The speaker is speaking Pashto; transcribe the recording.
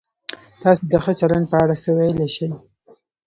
تاسو د ښه چلند په اړه څه ویلای شئ؟